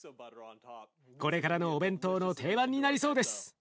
これからのお弁当の定番になりそうです。